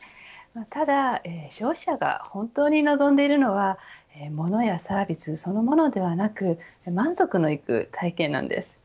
ただ消費者が本当に望んでいるのはモノやサービスそのものではなく満足のいく体験なんです。